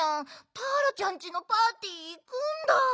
ターラちゃんちのパーティーいくんだ。